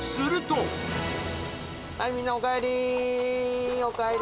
はい、みんなおかえり。